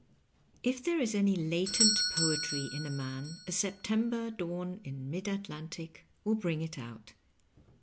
n. If there is any latent poetry in a man, a September dawn in mid Atlantic will bring it out.